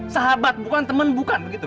sahabat bukan temen bukan begitu